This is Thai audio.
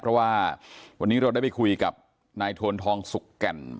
เพราะว่าวันนี้เราได้ไปคุยกับนายทวนทองสุกแก่น